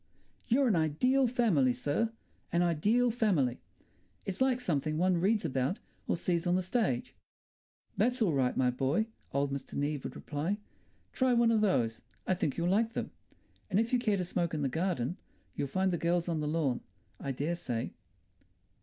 "You're an ideal family, sir, an ideal family. It's like something one reads about or sees on the stage." "That's all right, my boy," old Mr. Neave would reply. "Try one of those; I think you'll like them. And if you care to smoke in the garden, you'll find the girls on the lawn, I dare say."